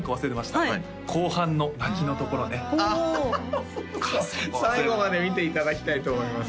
はい後半の泣きのところねおお最後まで見ていただきたいと思います